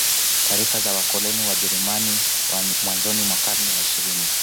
Taarifa za wakoloni Wajerumani mwanzoni mwa karne ya ishirini